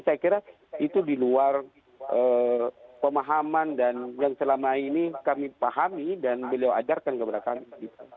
saya kira itu di luar pemahaman dan yang selama ini kami pahami dan beliau ajarkan kepada kami